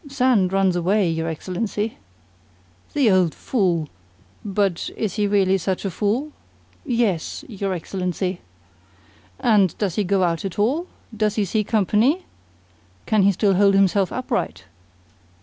Sand runs away, your Excellency." "The old fool! But is he really such a fool?" "Yes, your Excellency." "And does he go out at all? Does he see company? Can he still hold himself upright?"